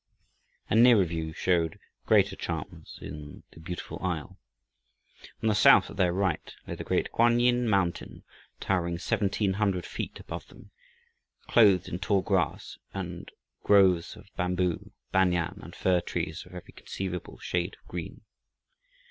A nearer view showed greater charms in the Beautiful Isle. On the south, at their right, lay the great Quan Yin mountain, towering seventeen hundred feet above them, clothed in tall grass and groves of bamboo, banyan, and fir trees of every conceivable shade of green.